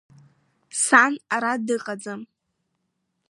Сан ара дыҟаӡам.